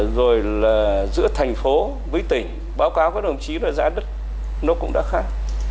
rồi là giữa thành phố với tỉnh báo cáo các đồng chí là giá đất nó cũng đã khác